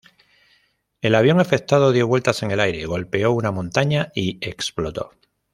El avión afectado dio vueltas en el aire, golpeó una montaña, y explotó.